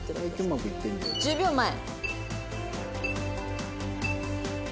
１０秒前。